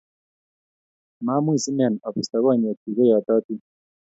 mamuch sinen abisto konyekchu koyatotin